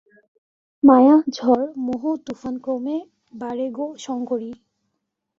মায়া-ঝড় মোহ-তুফান ক্রমে বাড়ে গো শঙ্করী।